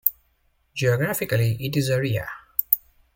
Geographically it is a ria.